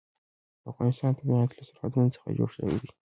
د افغانستان طبیعت له سرحدونه څخه جوړ شوی دی.